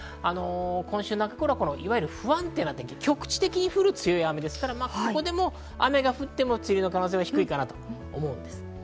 今週中頃はいわゆる不安定な天気、局地的に降る強い雨ですから、降っても、梅雨入りの可能性は低いかなと思います。